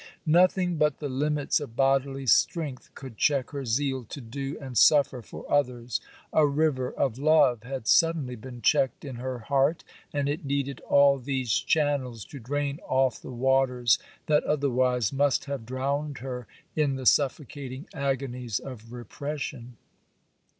Nothing but the limits of bodily strength could check her zeal to do and suffer for others,—a river of love had suddenly been checked in her heart, and it needed all these channels to drain off the waters that otherwise must have drowned her in the suffocating agonies of repression.